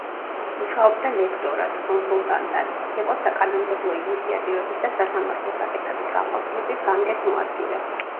მუშაობდა ლექტორად, კონსულტანტად, იყო საკანონმდებლო ინიციატივების და სასამართლო საკითხების განყოფილების გამგეს მოადგილე.